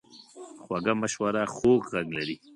خوږه مشوره خوږ غږ لري.